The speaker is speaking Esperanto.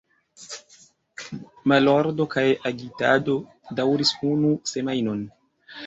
Malordo kaj agitado daŭris unu semajnon.